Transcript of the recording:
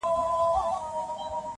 دلته شهیدي جنازې ښخېږي-